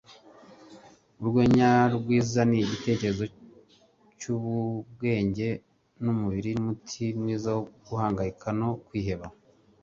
Urwenya rwiza nigitekerezo cyubwenge numubiri. Numuti mwiza wo guhangayika no kwiheba…